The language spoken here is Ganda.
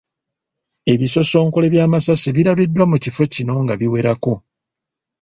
Ebisosonkole by’amasasi birabiddwako mu kifo kino nga biwerako .